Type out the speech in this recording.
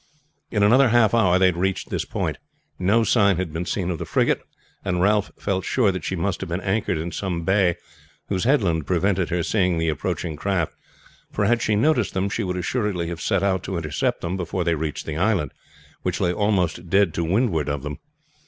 In another half hour they had reached this point. No signs had been seen of the frigate, and Ralph felt sure that she must have been anchored in some bay whose headland prevented her seeing the approaching craft; for had she noticed them she would assuredly have set out to intercept them before they reached the island, which lay almost dead to windward of them.